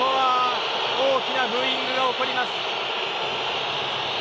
大きなブーイングが起こります。